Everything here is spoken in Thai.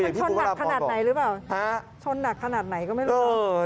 มันชนหนักขนาดไหนหรือเปล่าชนหนักขนาดไหนก็ไม่รู้